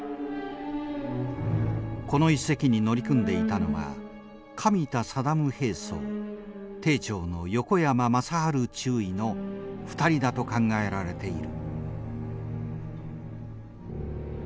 この１隻に乗り組んでいたのは上田定兵曹艇長の横山正治中尉の２人だと考えられている。